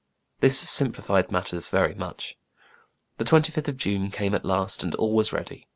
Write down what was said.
This simplified matters very much. The 25th of June came at last, and all was ready.